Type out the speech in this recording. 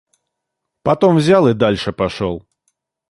Потом взял и дальше пошёл.